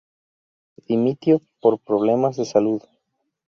Dimitió por problemas de salud.